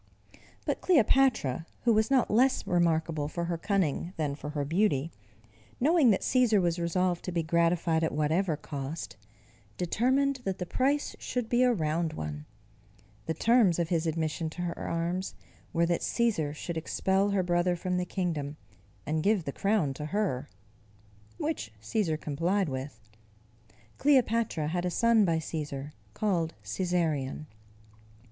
But Cleopatra, who was not less remarkable for her cunning than for her beauty, knowing that Cæsar was resolved to be gratified at whatever cost, determined that the price should be a round one: the terms of his admission to her arms, were that Cæsar should expel her brother from the kingdom, and give the crown to her; which Cæsar complied with. Cleopatra had a son by Cæsar called Cæsarion.